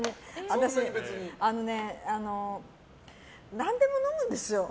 何でも飲むんですよ。